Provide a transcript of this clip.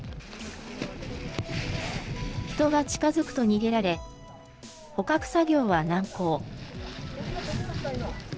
人が近づくと逃げられ、捕獲作業は難航。